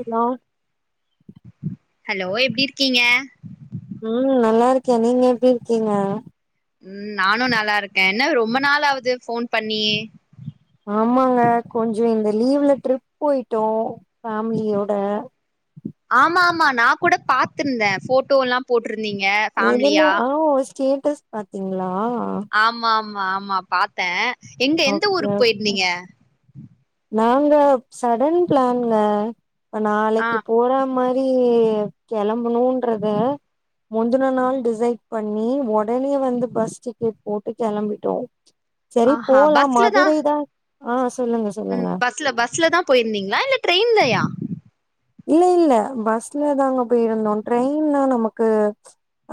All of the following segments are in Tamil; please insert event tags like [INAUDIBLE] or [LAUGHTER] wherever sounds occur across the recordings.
ஹலோ ஹலோ எப்படி இருக்கீங்க உம் நல்லா இருக்கே நீங்க எப்படி இருக்கீங்க உம் நானு நல்லா இருக்கே என்ன ரொம்ப நாள் ஆகுது போன் பண்ணி ஆமாங்க கொஞ்சு இந்த லீவ்ல ட்ரிப் போயிட்டோ ஃபேமிலியோட ஆமா ஆமா நா கூட பாத்திருந்தே போட்டோ எல்லா போட்டிருந்தீங்க எதுல ஃபேமிலியா ஆ ஸ்டேட்டஸ் பாத்தீங்களா ஆமா ஆமா ஆமா பாத்தே எங்க எந்த ஓகே ஊருக்கு ஓகே போயிருந்தீங்க நாங்க சடன் பிளானுங்க ஆ நாளைக்கு போறாம எப்படி கெளம்பணுன்றத முந்தன நாள் டிசைட் பண்ணி ஒடனே வந்து பஸ் டிக்கெட் போட்டு கெளம்பிட்டோ செரி ஆஹா போலா பஸ்ல மதுரை தா ஆ சொல்லுங்க சொல்லு ம் பஸ்ல பஸ்ல தா போயிருந்தீங்களா இல்ல ட்ரெயின்லயா இல்ல இல்ல பஸ்ல தாங்க போயிருந்தோ ட்ரெயின்லா நமக்கு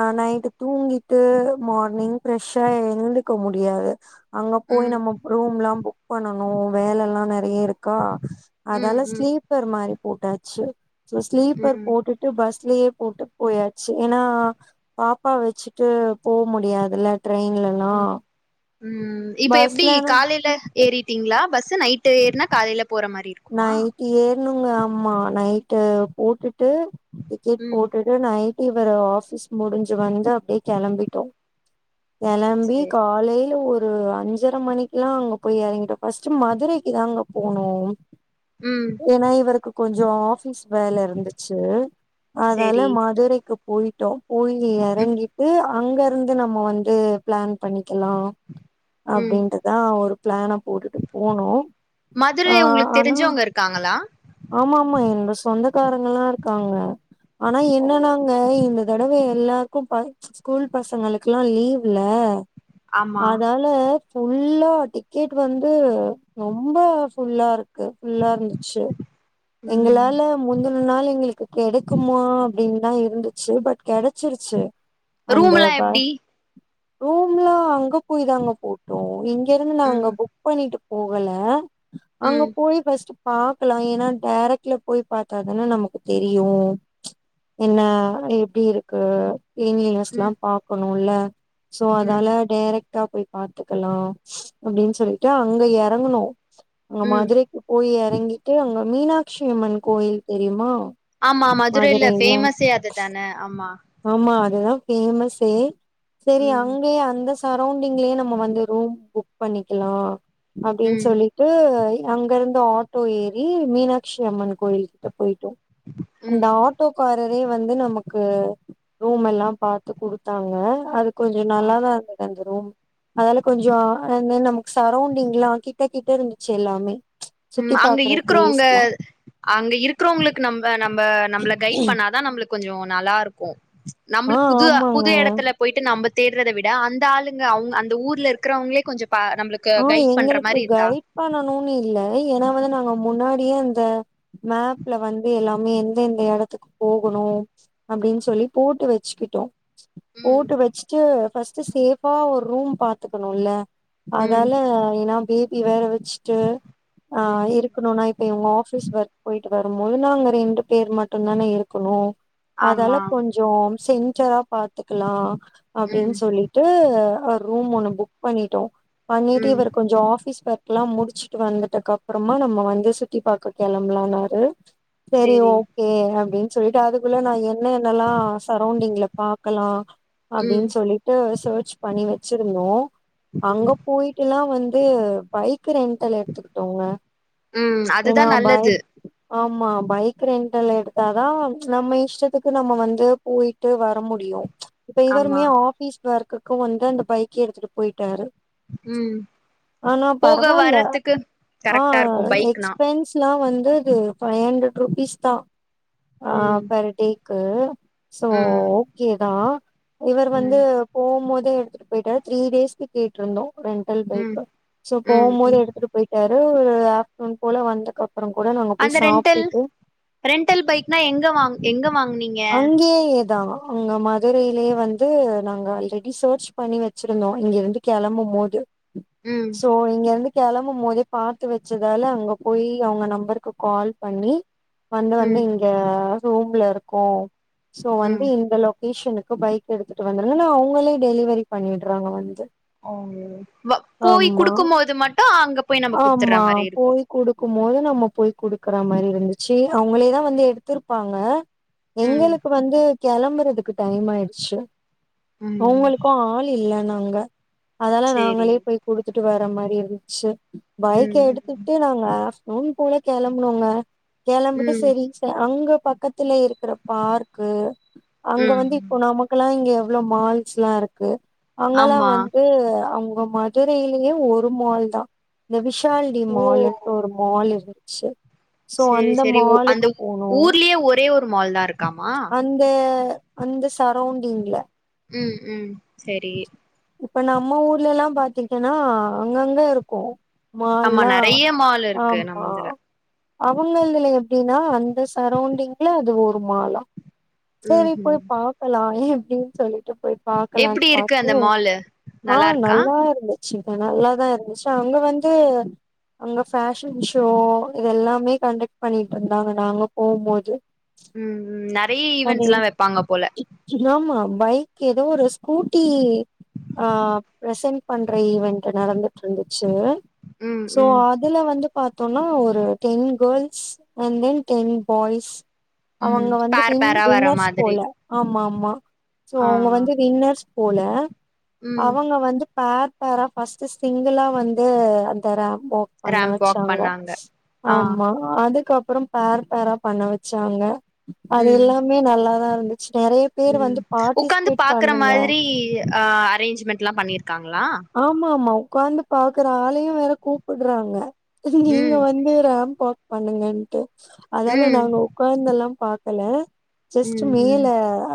அ நைட்டு தூங்கிட்டு மார்னிங் ஃப்ரெஷ்ஷா எழுந்துக்க முடியாது அங்க போய் ம் நம்ம ரூம் எல்லா புக் பண்ணனும் வேலை எல்லா நெ றைய இருக்கா ம் அதால ம் ஸ்லீப்பர் மாதிரி போட்டாச்சு ஸ்லீப்பர் ம் போட்டு டு பஸ்லயே போட்டு போயாச்சு ஏன்னா பாப்பா வெச்சுட்டு போக முடியாதுல்ல ட்ரெயின்ல உம் உம் இப்ப எப்படி பஸ்லனா காலையில ஏறிட்டீங்களா பஸ்ஸு நைட்டு ஏருனா காலையில போற மாரி இருக்குமா நைட் ஏறணுங்க அம்மா நைட்டு போட்டுட்டு டிக்கெட் ம் போட்டு நைட்டு இவரு ஆஃபிஸ் முடிஞ்சு வந்து அப்படியே கெளம்பிட்டோ கெளம்பி சேரி காலையில ஒரு அஞ்சு அஞ்சர மணிக்கு எல்லா அங்க போய் எறங்கிட்டோ ஃபர்ஸ்ட்டு மதுரைக்கு தா அங்க போனோ உம் ஏன்னா இவருக்கு கொஞ்சு ஆபீஸ் வேல இருந்துச்சு அதால சேரி மதுரைக்கு போயிட்டோ போய் ம் எறங்கிட்டு அங்க இருந்து நம்ம வந்து பிளான் பண்ணிக்கலா ம் அப்படின்ட்டுதா ஒரு பிளான போட்டுட்டு போனோ ஆ மதுரை உங்களுக்கு ஆனா தெரிஞ்சவங்க இருக்காங்களா ஆமா ஆமா எங்க சொந்தக்காரங்கல்லா இருக்காங்க ஆனா ஓ என்னனாங்க இந்த தெடவை எல்லாருக்கு பரிச் ஸ்கூல் பசங்களுக்கெல்லா லீவ்ல ஆமா அதால ல ஃபுல்லா டிக்கெட் வந்து ரொம்ப ஃபுல்லாருக்கு ஃபுல்லாருந்துச்சு ம் எங்களால முந்தின நாள் எங்களுக்கு கெடைக்குமா அப்டின் தா இருந்துச்சு பட் கிடைச்சிருச்சு அந்த ரூம்லா ப எப்டி ரூம்லா அங்க போய் தாங்க போட்டோ இங்க இருந்து நா அங்க ம் ஃபுக் பண்ணிட்டு போகல அங்க ம் போய் ஃபர்ஸ்ட் பா க்கலா ஏனா டேரக்ட்ல போய் பாத்தாதன்னே நமக்கு தெரியு என்னா எப்டி இருக்கு ஏனி க்ஸ்லா ம் பாக்கணுல சோ ம் அதால டேரக்ட் டா போய் பாத்துக்கலா அப்டின்னு சொல்லிட்டு அங்க எறங்குனோ அங்க ம் மதுரை க்கு போய் எறங்கிட்டு அங்க மீனாட்சி அம்மன் கோயில் தெரியுமா ஆமா மதுரைல ஃபேமஸே அதுதானே ஆமா ஆமா அதுதா ஃபேமஸே சேரி ம் அங்கயே அந்த சரௌண்டிங்லயே நம்ம வந்து ரூம் புக் பண்ணிக்கலா அப்டின்னு ம் சொல்லி ட்டு அங்க இருந்து ஆட்டோ ஏறி மீனாட்சி அம்மன் கோயில்கிட்ட போயிட்டோ அந்த ம் ஆட் டோக்காரரே வந்து நமக்கு ரூம் எல்லா பாத்து குடுத்தாங்க அது கொஞ்சோ நல்லாதா இருந்தது அந்த ரூம் அதால கொஞ்சோ அங்க நமக்கு சரௌண்டிங்ல்லா கிட்ட கிட்டருந்துச்சு எல்லாமே சுத்தி ம் அங்க பாக்குற இருக்றவங்க பிளேஸ்லா அங்க இருக்கறவங்களுக்கு நம்ம நம்ம நம்ள கைட் பண்ணா அதா நம்ளுக்கு கொஞ்சோ நல்லாருக்கு ஆ நம்ளுக்கு புது ஆமாங்க புது இடத்துல போயிட்டு நம்ப தேடுறத விட அந்த ஆளுங்க அவுங்க அந்த ஊர்ல இருக்கிறவங்களே கொஞ்சோ பா நம்ளுக் ஆ எங்களுக்கு கைட் பண்ணணுனு இல்ல ஏனா வந்து நாங்க முன்னாடியே அந்த மேப்ல வந்து எல்லாமே எந்த எந்த இடத்துக்கு போகணு அப்டின்னு சொல்லி போட்டு வச்சுக்கிட்டோ ம் போட்டு வச்சுட்டு ஃபஸ்ட்டு ஷேபா ஒரு ரூம் பாத்துக்கணுல்ல ம் அதால ஏனா பேபி வேற வச்சுட்டு ஆ ம் இரு இருக்ணும்னா இப்ப இவங்க ஆபீஸ் ஒர்க் போயிட்டு வரும்போதுன்னா நாங்க ரெண்டு பேர் மட்டுதானே இருக்கணு அதால ஆமா கொஞ்சோ சென்டரா பாத்துக்கலா அப்டின்னு ம் சொல்லிட்டு ஒரு ரூம் ஒண்ணு புக் பண்ணிட்டோ பண்ணிட்டு ம் இவர் கொஞ்சோ ஆபீஷ் ஒர்க் ல்லா முடிச்சுட்டு வந்துட்டகப்றமா நம்ம வந்து சுத்தி பாக்க கெளம்பலானாரு சேரி ஓக் கே அப்டின்னு சொல்லிட்டு அதுக்குள்ள நா என்ன என்னல்லா சரௌண்டிங்ல பாக்கலா ம் அப்டின்னு சொல்லிட்டு செர்ச் பண்ணி வச்சிருந்தோ ம் அங்கப் போய்ட்டுல்லா வந்து பைக் ரெண்ட் டல் எடுத்துக்கிட்டோங்க ம் அதுதா ஏனா நல்லது பையிக் ஆமா பைக் ரெண்ட்டல்ல எடுத்தாதா நம்ம இஷ்டத்துக்கு நம்ம வந்து போயி ட்டு வர முடியு இப்ப ஆமா இவருமே ஆபிஸ் ஒர்க்குக்கு வந்து அந்த பைக் எடுத்துட்டு போயிட்டாரு ம் ஆனா போக பரவால்ல வர்றதுக்கு அ கரெக்டா இருக்கு பைக்னா எக்ஸ்பென்ஸ் லா வந்து இது ஃபை ஹண்ட்ரட் ருபீஸ் தா ஆ ம் பெர் டேக்கு சோ ம் ஓகேதா இவர் வந்து ம் போம்போதே எடுத்துட்டு போயிட்டாரு த்ரீ டேஸ்க்கு கேட்ருந்தோ ரெண் டெல் ம் பைக் ஷோ ம் போம்போது ம் எடுத்துட்டு போயிட்டாரு ஒரு ஆப்டர்னுன் போல வந்ததுக்கப்றோ கூட போய் அந்த ரென்டல் சாப்ட்டுட்டு ரென்டல் பைக்னா எங்க வாங்க எங்க வாங்னீங் அங்கேயேதா அங்க மதுரைலயே வந்து நாங்க ஆல்ரெடி செர்ச் பண்ணி வெச்சிருந்தோ இங்கிருந்து கெளம்பும்போது ம் சோ இங்கருந்து கெளம்பும் போதே பாத்து வெச்சதால அங்க போயி அவங்க நம்பருக்கு கால் பண்ணி வந்து வந்து ம் இங்க ரூம்ல இருக்கு சோ வந்து ம் இந்த லோ பேஷனுக்கு பைக் எடுத்ட்டு வந்துருங்கனு அவங்களே டெலிவரி பண்ணிட்றாங்க வந்து ஓ வ போயி ஆமா குடுக்கும் போது மட்டு அங்க போயி நம்ம குடுத்துற ஆமா மாரிருக்கு போய் குடுக்கும் போது நம்ம போயி குடுக்குற மாரி இருந்துச்சு அவங்ளேதா வந்து எடுத்திருப்பாங்க ம் எங்களுக்கு வந்து கெளம்புறதுக்கு டைம் ஆயிச்சு ம் அவுங்களுக்கு ஆள் இல்லனாங்க அதொலா சேரி நாங்களே போய் குடுத்துட்டு வர மாரி இருந்துச்சு பைக் ம் எடுத்துட்டு நாங்க ஆப்டர்நூன் போல கெளம்னோங்க கெளம்பிட்டு ம் சரி அங்க பக்கத்துல இருக்கிற பார்க்கு அங்க வந்து இப்ப ம் நமக்கெலாஇங்க எவ்ளோ மால்ஸ் லா இருக்கு அங்கெல்லா ஆமா வந்து அவுங்க மா மதுரையிலயே ஒரு மால் தா இந்த விஷால் டி ஓ மாலுன்ட்டு ஒரு மால் இருந்துச்சு சோ செரி அந்த செரி ஊ அந்த மாலுக்கு போனோ ஊர்லயே ஒரே ஒரு மால் தா இருக்காமா அந்த அந்த சரௌண்டிங்ல ம் ம் சரி இப்ப நம்ம ஊர்ல லா பாத்தீக்கன்னா அங்கங்க இருக்கு ஆமா மால்னா நெறைய மால் இருக்கு ஆமா நம்மள்துல அவங்கதுல எப்டின்னா அந்த சரௌண்டிங்ல அது ஒரு மாலா ம் சேரி ம் போய்பாக்கலாமே அப்டின்னு சொல்லிட்டு போய் பாக்கலான்னு எப்டி இருக்கு அந்த பாத்து மாலு ஆ நல்லா இருக்கா நல்லாவே இருந்துச்சுங்க நல்லாதா இருந்துச்சு அங்க வந்து அங்க ஃபேஷன் ஷோ இது எல்லாமே கண்டக்ட் பண்ணிட்டுருந்தாங்க நாங்க போம்போது ம் ம் ந ஆமா பைக் ஏதோ ஒரு ஸ்கூட்டி ஆ பிரசன்ட் பண்ற ஈவென்ட் நடந்துட் இருந்துச்சு ம் சோ ம் அ இதுல வந்து பார்த்தோனா ஒரு ten girls and then ten boys ம் அவங்க வந்து பேர் பேரா வர வின்னர்ஸ் மாதிரி போல ஆமா ஆமா சோ ஆ அவுங்க வந்து வின்னர்ஸ் போல ம் அவங்க வந்து பேர் பேரா பசங்க சிங்கிளா வந்து அந்த ரேம்போ பண்ண ரேம்ப் வாக் வெச்சாங்க பண்ணாங்க ஆ ஆமா அதுக்கப்றோ பேர் பேரா பண்ண வெச்சாங்க ம் நெறைய பேர் ம் வந்து உக்காந்து பார்ட்டிசிபேட் பாக்கற பண்ணுங்க மாதிரி ஆ அரேஞ்மெண்ட்லா பண்ணிருக்காங்ளா ஆமா ஆமா உக்காந்து பாக்குற ஆளயு வேற கூப்புடுறாங்க நீங்க ம் வந்து ரேம்ப் வாக் பண்ணுங்கன்ட்டு அதால ம் நாங்க உக்காந்தெல்லா பாக்கல ஜஸ்ட்டு ம் ம் மேல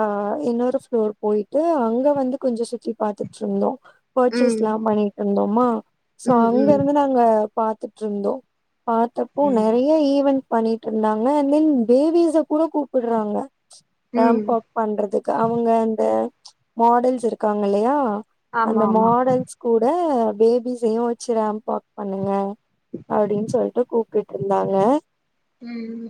ஆ இன்னொரு ப்ளோர் போயிட்டு அங்க வந்து கொஞ்ச சுத்தி பாத்துட்டுர்ந்தோ ம் பர்ச்சேஸ்லா பண்ணிட்ருந்தோமா சோ ம் ம் அங்கருந்து நாங்க பாத்துட்டிருந்தோ பாத்தப்போ ம் நெறைய ஈவென்ட் பண்ணிட்டிருந்தாங்க தென் பேபிஸ கூட கூப்புடுறாங்க ம் ரேம்ப் வாக் பண்றதுக்கு அவுங்க அந்த ம் மாடல்ஸ் இருக்காங்க இல்லயா ஆமா அந்த ஆமா மாடல்ஸ் கூட பேபிஸயு வெச்சு ரேம்ப் வாக் பண்ணுங்க அப்டினு சொல்ட்டு கூப்ட்டுட்டிருந்தாங்க ம்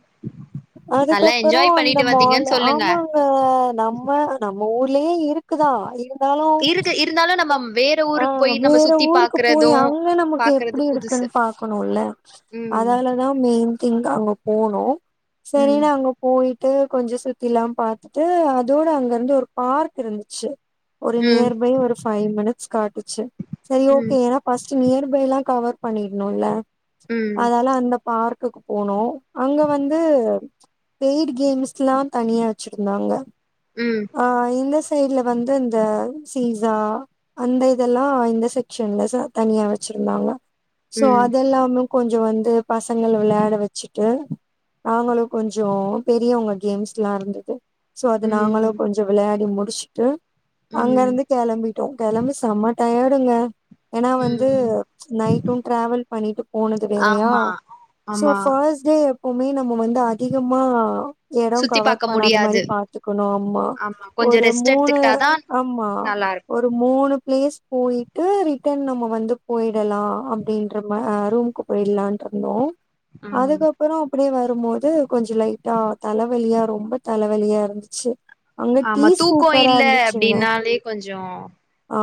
நல்லா அதுக்கப்பறோ என்ஜாய் அந்த பண்ணிட்டு மால் வந்தீங்கன்னு சொல்லுங்க ஆமாங்க ஆ நம்ப நம்ம நம்ப ஊர்லயே இருக்குதா இருந்தாலு இருக்கு இருந்தாலு நம்ம வேற ஊருக்கு போய் நம்ம வேற சுத்தி ஊருக்கு போய் பாக்குறதூ அங்க நமக்கு பாக்கறது எப்டி புதுசு இருக்குன்னு ம் அ மெயின் திங்க் அங்க போனோ ம் சரினு அங்க ப் போயிட்டு கொஞ்சோ சுத்திலா பாத்துட்டு அதோட அங்கருந்து ஒரு பார்க் இருந்துச்சு ஒரு ம் நியர் பை ஒரு ஃபைவ் மினிட்ஸ் காட்டுச்சு சரி ஓகே ம் ஏனா ஃபஸ்ட் நியர்பைலா கவர் பண்ணிடுணுல ம் அதால அந்த ப பார்க்குக்கு போனோ அங்க வந்து பெய்டு கேம்ஸ்லா தனியா வச்சுருந்தாங்க ம் அ இந்த சைடுல வந்து இந்த சீஸா அந்த இதல்லா இந்த செக்ஸன்ல ச தனியா வச்சுருந்தாங்க சோ ம் அதெல்லாம கொஞ்சோ வந்து பசங்கள வெளையாட வச்சுட்டு நாங்களு கொஞ்சோ பெரியவங்க கேம்ஸ்லாருந்துது சோ அது நாங்களு ம் கொஞ்சோ வெளையாடி முடிச்சுட்டு ம் அங்கருந்து கெளம்பி கெளம்பிட்டோ [UNINTELLIGIBLE] செம்ம டையடுங்க ஏனா வந்து ம் நைட்ட டிராவல் பண்ணிட்டு போனது வேறயா ஆமா சோ ஆமா ஃபஸ்ட் டே எப்பமே நம்ம வந்து அதிகமா சுத்தி எடங்கவர் பாக்க பண்ணாத முடியாது மாரி பாத்துக்கணும் அம்மா ஆமா கொஞ்சோ ஒரு ரெஸ்ட் மூணு எடுத்துக்கிட்டாதா அம்மா நல்லா இருக்கு ஒரு மூணு ப்ளேஸ் போயிட்டு ரிட்டன் நம்ம வந்து போயிடலா அப்டின்ற மா அ ரூம்க்கு போய்ருலான்ட்ருந்தோ ம் அதுக்கப் அப்றோ அப்டியே வருபோது கொஞ்சோ லைட்டா தலவலியா ரொம்ப தலைவலியாருந்துச்சு ஆமா தூக்கம் இல்ல அப்டின்னாலே கொஞ்சோ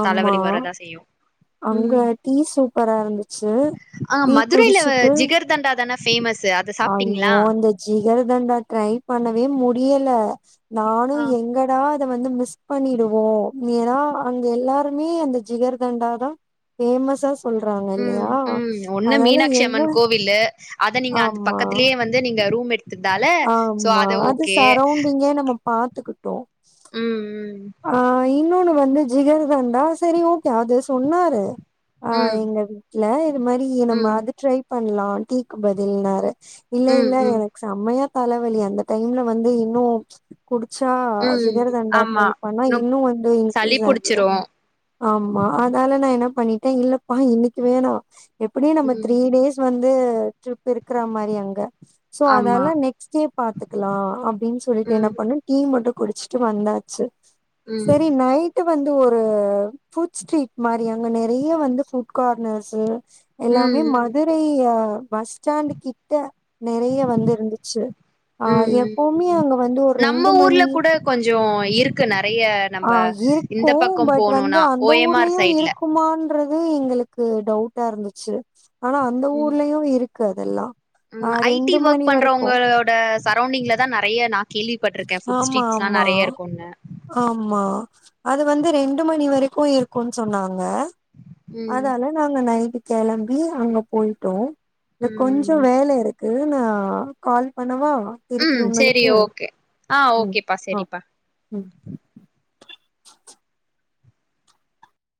ஆமா தலவலி வரதா செய்யு அங்க டீ சூப்பராருந்துச் அ மதுரைையில ஜிகர் தண்டாதான ஃபேமஸ்ஸு ஐயோ அந்த ஜிகருதண்டா ட்ரைப் பண்ணவே முடியல நானு எங்க டா அத வந்து மிஸ் பண்ணிடுவோ ஏனா அங்க எல்லாருமே அந்த ஜிகருதண்டாதா ஃபேமஸா ம் சொல்றாங்கல்லையா ம் ஒண்ணு அதனால மீனாட்சி என்ன அம்மன் கோவிலு அத நீங்க அந்த பக்கத்திலேயே வந்து நீங்க ரூமெடுத் ஆமா அது சரௌண்டிங்கே நம்ம பாத்துக்கிட்டோ ம் அ இன்னொன்னு வந்து ஜிகருதண்டா சரி ஓகே அது சொன்னாரு அ ம் எங்க வீட்ல இது மாரி நம்ம ம் அது ட்ரைப் பண்லா டீக்கு பதில்ன்னாரு இல்ல ம் இல்ல ம் எனக் செம்மையா தலவலி அந்த டைம்ல வந்து இன்னு குடிச்சா ம் ம் ஜிகருதண்டா ஆமா ட்ரை இன்னு இன்னும் வந்து சளி இன்க்ரீஸ் புடிச்சிரு ஆயிடும் ஆமா அதனால நா என்ன பண்ணிட்டே இல்லப்பா இன்னக்கி வேணா எப்டியு நம்ம ம் த்ரீ டேஸ் வந்து ட்ரிப் இருக்குற மாரி அங்க சோ ஆமா அதால நெக் ஸ்டே பாத்துக்குலா அப்டின் சொல்லிட்டு என்ன ம் பண்ணு டீ மட்டு குடிச்சுட்டு வந்தாச்சு ம் சரி நைட் ட்டு வந்து ஒரு ஃபுட் ஸ்ட்ரீட் மாரியான நெறைய வந்து ஃபுட் கார்னர்ஸு எல்லாமே ம் ம் மதுரை அ பஸ்டாண்டு கிட்ட நெறைய வந்து இருந்துச்சு அ எப்பவுமே ம் அங்க வந்து ஒரு நம்ம ரெண்டு மணி ஊர்ல கூட கொஞ்சோ இருக்கு நெறைய அ நம்ப இந்த இருக்கு பக்கம் பட் வந்து போணுனா அந்த ஓ எம் ஆர் ஊர்லயு சைட்ல இருக்குமான் இருக்றது எங்குளுக்கு டவுட்டாருந்துச்சு ஆனா அந்த ம் ஊர்லயு இருக்கு அதெல்லா ஆ ம் ஐடி ரெண்டு ஒர்க் மணி வரைக்கு பண்றவங்களோட சரௌண்டிங்கில தா நெறைய நா கேள்விப்பட்ருக்க ஆமா ஃபுட்ஸ்ட்ரீஸ்லா ஆமா நெறைய இருக்குன்னு ஆமா அது வந்து ரெண்டு மணி வரைக்கு இருக்குன் சொன்னாங்க ம் அதால நாங்க நைட்டு கெளம்பி அங்க போயிட்டோ இத கொஞ் கொஞ்சோ ம் வேலருக்கு நா கால் பண்ணவா திருப்பி ஒங்களுக்கு அ ஓகேப்பா செரிப்பா ம்